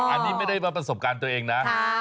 อันนี้ไม่ได้มาประสบการณ์ตัวเองนะ